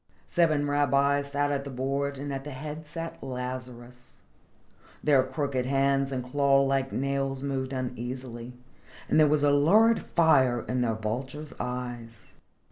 Seven rabbis sat at the board, and at the head sat Lazarus. Their crooked hands and claw like nails moved uneasily and there was a lurid fire in their vulture's eyes.